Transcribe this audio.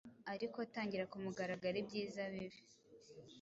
Ariko tangira kumugaragaro, ibyiza bibe